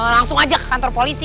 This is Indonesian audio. langsung ajak kantor polisi